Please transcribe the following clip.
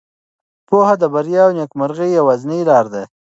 پوهه د بریا او نېکمرغۍ یوازینۍ لاره ده.